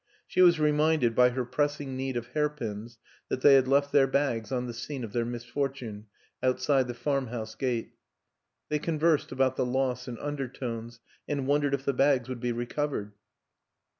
She was reminded by her pressing need of hairpins that they had left their bags on the scene of their misfortune, outside the farmhouse gate; they conversed about the loss in undertones, and wondered if the bags would be recovered.